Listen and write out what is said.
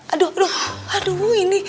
aduh aduh aduh ini